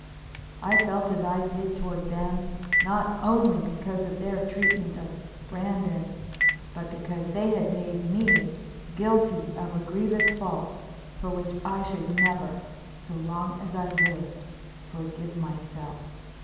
I felt as I did toward them not only because of their treatment of Brandon, but because they had made me guilty of a grievous fault, for which I should never, so long as I lived, forgive myself.